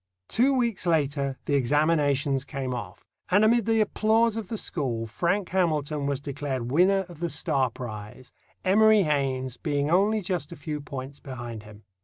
Two weeks later the examinations came off, and amid the applause of the school Frank Hamilton was declared winner of the Starr prize, Emory Haynes being only just a few points behind him.